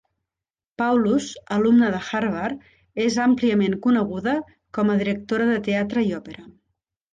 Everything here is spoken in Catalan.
Paulus, alumna de Harvard, és àmpliament coneguda com a directora de teatre i òpera.